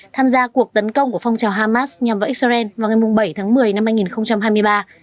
tham gia cuộc tấn công của phong trào hamas nhằm vào israel vào ngày bảy tháng một mươi năm hai nghìn hai mươi ba